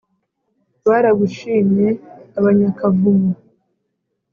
baragushimye abanyakavumu